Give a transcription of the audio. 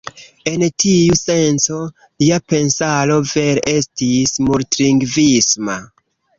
En tiu senco, lia pensaro vere estis multlingvisma.